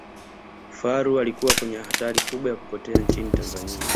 faru alikuwa kwenye hatari kubwa ya kupotea nchini tanzania